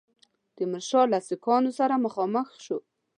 تیمورشاه له سیکهانو سره مخامخ شو.